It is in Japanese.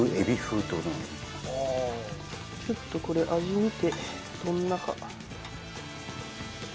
ちょっとこれ味見てどんなか。